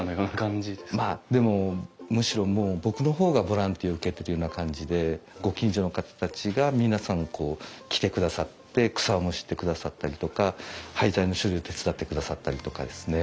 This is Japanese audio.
でもむしろもう僕の方がボランティアを受けてるような感じでご近所の方たちが皆さん来てくださって草をむしってくださったりとか廃材の処理を手伝ってくださったりとかですね。